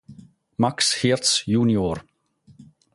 Max Hirz jun.